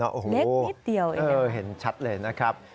เล็กนิดเดียวอีกหนึ่งค่ะนะครับอ๋อเห็นชัดเลยนะครับ